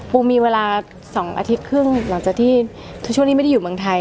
มีเวลา๒อาทิตย์ครึ่งหลังจากที่คือช่วงนี้ไม่ได้อยู่เมืองไทย